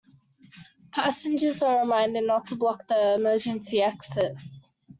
Passengers are reminded not to block the emergency exits.